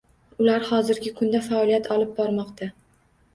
Ular hozirgi kunda faoliyat olib bormoqda.